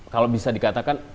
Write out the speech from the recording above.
kalau bisa dikatakan